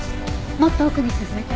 もっと奥に進めて。